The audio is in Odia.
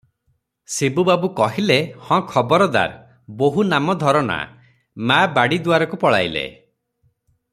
ଶିବୁବାବୁ କହିଲେ, "ହଁ ଖବରଦାର, ବୋହୂ ନାମ ଧର ନା!" ମା ବାଡ଼ି ଦୁଆରକୁ ପଳାଇଲେ ।